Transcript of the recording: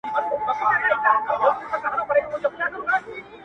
o له يوه لاسه ټک نه خېژي.